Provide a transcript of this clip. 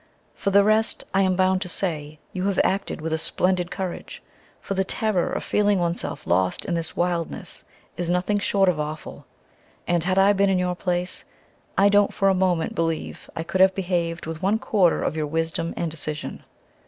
For the rest, I am bound to say, you have acted with a splendid courage, for the terror of feeling oneself lost in this wilderness is nothing short of awful, and, had I been in your place, I don't for a moment believe I could have behaved with one quarter of your wisdom and decision.